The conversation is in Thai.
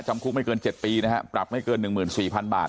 จำคุกไม่เกิน๗ปีนะฮะปรับไม่เกิน๑๔๐๐๐บาท